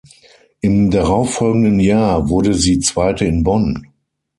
Im darauffolgenden Jahr wurde sie Zweite in Bonn.